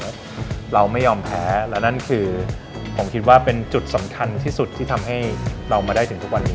แล้วเราไม่ยอมแพ้และนั่นคือผมคิดว่าเป็นจุดสำคัญที่สุดที่ทำให้เรามาได้ถึงทุกวันนี้